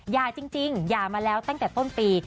จริงหย่ามาแล้วตั้งแต่ต้นปี